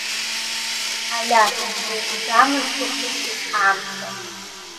Алиас, еиқәӡамызшәа ицәеит амца.